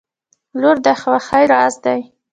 • لور د خوښۍ راز دی.